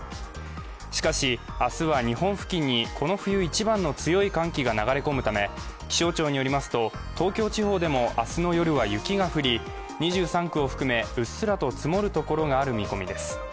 しかし、明日は日本付近にこの冬一番の強い寒気が流れ込むため気象庁によりますと、東京地方でも明日の夜は雪が降り、２３区を含め、うっすらと積もるところがある見込みです。